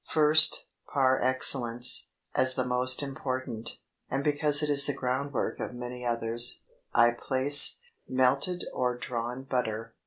First, par excellence, as the most important, and because it is the groundwork of many others, I place MELTED OR DRAWN BUTTER.